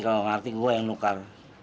kalau gak ngerti gue yang nuker